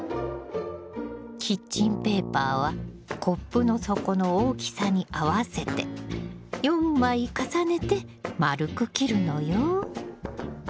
キッチンペーパーはコップの底の大きさに合わせて４枚重ねて丸く切るのよ。